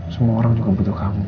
semua orang juga butuh kamu